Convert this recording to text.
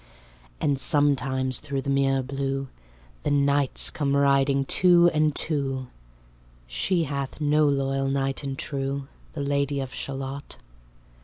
And sometimes thro' the mirror blue, The knights come riding, two and two. She hath no loyal knight and true The Lady of Shalott.